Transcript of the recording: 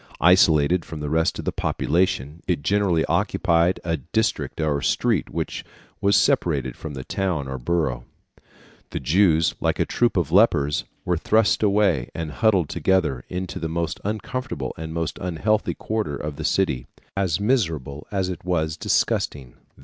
Isolated from the rest of the population, it generally occupied a district or street which was separated from the town or borough. The Jews, like a troop of lepers, were thrust away and huddled together into the most uncomfortable and most unhealthy quarter of the city, as miserable as it vas disgusting.